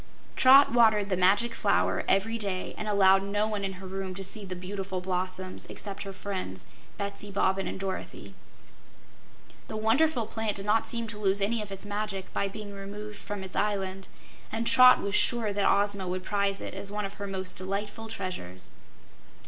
Trot watered the Magic Flower every day and allowed no one in her room to see the beautiful blossoms except her friends, Betsy Bobbin and Dorothy. The wonderful plant did not seem to lose any of its magic by being removed from its island, and Trot was sure that Ozma would prize it as one of her most delightful treasures.